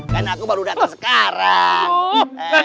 karena aku baru datang sekarang